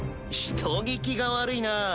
人聞きが悪いなぁ。